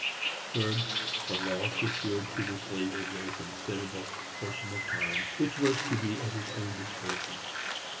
Third, the law secured to the slave a very considerable portion of time, which was to be at his own disposal.